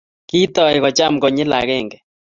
Kitoiy kocham konyil agenge